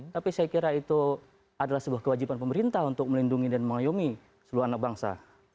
tapi saya kira itu adalah sebuah kewajiban pemerintah untuk melindungi dan mengayomi seluruh anak bangsa